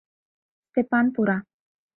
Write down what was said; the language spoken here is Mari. Степан пура.